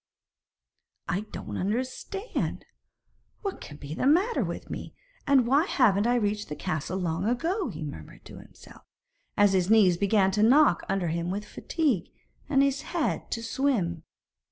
'I don't understand! What can be the matter with me and why haven't I reached the castle long ago?' he murmured to himself, as his knees began to knock under him with fatigue, and his head to swim.